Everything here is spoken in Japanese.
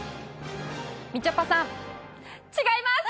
みちょぱさん違います。